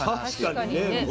確かにね